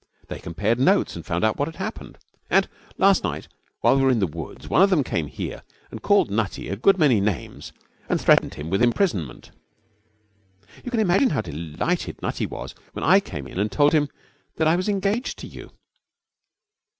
They compared notes and found what had happened, and last night, while we were in the woods, one of them came here and called Nutty a good many names and threatened him with imprisonment. 'You can imagine how delighted Nutty was when I came in and told him that I was engaged to you.